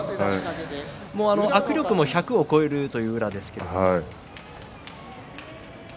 握力も１００を超えるという宇良ですけれども。